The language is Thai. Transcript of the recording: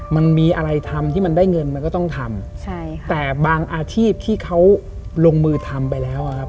มันมีอะไรทำที่มันได้เงินมันก็ต้องทำใช่ค่ะแต่บางอาชีพที่เขาลงมือทำไปแล้วอ่ะครับ